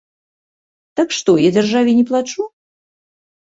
Так што, я дзяржаве не плачу?